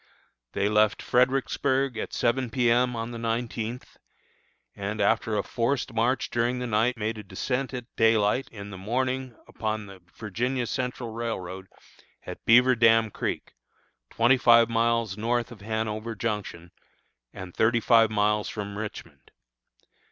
They left Fredericksburg at seven P. M., on the nineteenth, and after a forced march during the night made a descent at daylight in the morning upon the Virginia Central Railroad at Beaver Dam Creek, twenty five miles north of Hanover Junction and thirty five miles from Richmond.